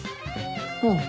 うん。